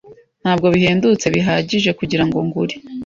Ntabwo bihendutse bihagije kugirango ngure.